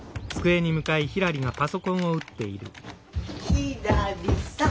ひらりさん！